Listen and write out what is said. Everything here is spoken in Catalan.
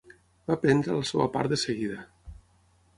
Va prendre la seva part de seguida.